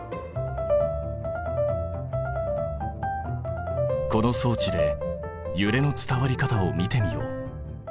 この装置でゆれの伝わり方を見てみよう。